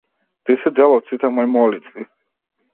Ти си дел од сите мои молитви.